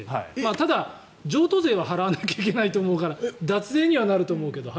ただ、譲渡税は払わないといけないから脱税にはなると思うけど。